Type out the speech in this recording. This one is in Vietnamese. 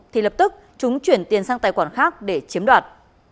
thì lập tức chúng chuyển tiền sang tài khoản khác để chiếm đoạt